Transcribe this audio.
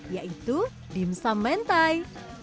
yaitu dimsum mentai